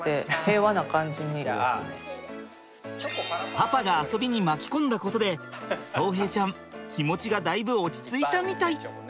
パパが遊びに巻き込んだことで颯平ちゃん気持ちがだいぶ落ち着いたみたい。